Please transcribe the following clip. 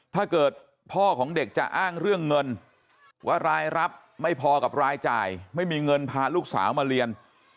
ถ้าเกิดพ่อของเด็กจะอ้างเรื่องเงินว่ารายรับไม่พอกับรายจ่ายไม่มีเงินพาลูกสาวมาเรียน